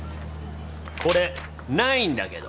これないんだけど。